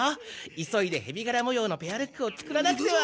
急いでヘビがらもようのペアルックを作らなくては。